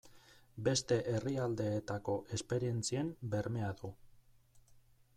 Beste herrialdeetako esperientzien bermea du.